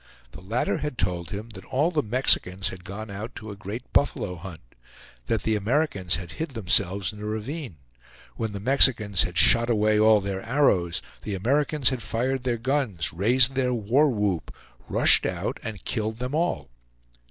The latter had told him that all the Mexicans had gone out to a great buffalo hunt. That the Americans had hid themselves in a ravine. When the Mexicans had shot away all their arrows, the Americans had fired their guns, raised their war whoop, rushed out, and killed them all.